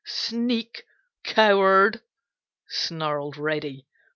Sneak! Coward!" snarled Reddy.